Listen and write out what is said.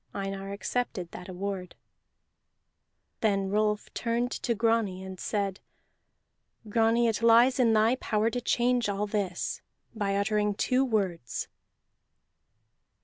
Einar accepted that award. Then Rolf turned to Grani, and said: "Grani, it lies in thy power to change all this by uttering two words."